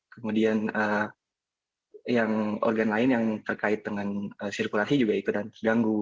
kemudian yang organ lain yang terkait dengan sirkulasi juga ikutan terganggu